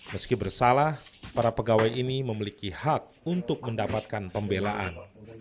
meski bersalah para pegawai ini memiliki hak untuk mendapatkan pembelaan